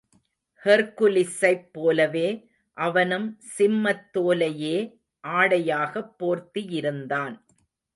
ஹெர்க்குலிஸைப் போலவே அவனும் சிம்மத் தோலையே ஆடையாகப் போர்த்தியிருந்தான்.